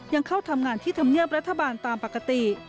ยังเข้าทำงานที่ธรรมเนียบรัฐบาลตามปกติ